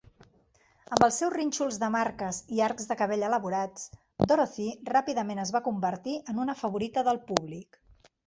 Amb els seus rínxols de marques i arcs de cabells elaborats, Dorothy ràpidament es va convertir en una favorita del públic.